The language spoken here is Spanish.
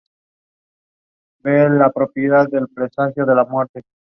Luego, lanzó como sencillo la canción "Último Día" que se encuentra en el disco.